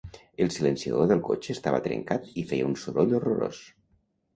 El silenciador del cotxe estava trencat i feia un soroll horrorós